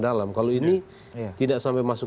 dalam kalau ini tidak sampai masuk